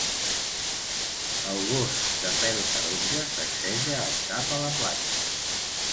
El gos de pel taronja sacseja el cap a la platja